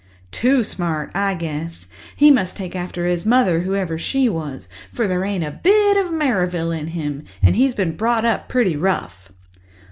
"Too smart, I guess. He must take after his mother, whoever she was, for there ain't a bit of Merrivale in him. And he's been brought up pretty rough."